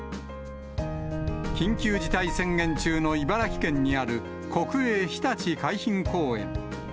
緊急事態宣言中の茨城県にある、国営ひたち海浜公園。